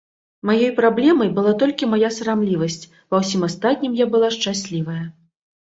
Маёй праблемай была толькі мая сарамлівасць, ва ўсім астатнім я была шчаслівая.